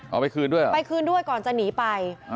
เอาไปคืนด้วยเหรอไปคืนด้วยก่อนจะหนีไป